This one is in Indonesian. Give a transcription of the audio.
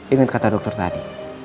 ingat kata dokter tadi